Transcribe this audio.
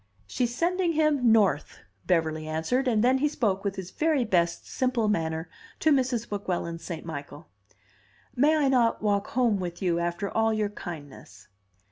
"She's sending him North," Beverly answered, and then he spoke with his very best simple manner to Mrs. Weguelin St. Michael. "May I not walk home with you after all your kindness?"